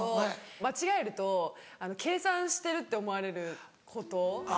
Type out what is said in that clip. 間違えると計算してるって思われること。